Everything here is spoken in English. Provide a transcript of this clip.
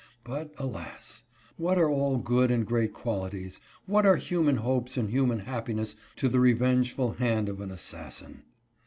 But, alas ! what are all good and great qualities ; what are human hopes and human happiness to the revengeful hand of an assassin?